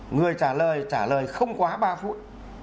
người trả lời trả lời không quá ba phút